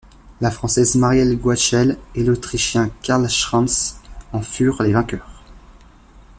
La Française Marielle Goitschel et l'Autrichien Karl Schranz en furent les vainqueurs.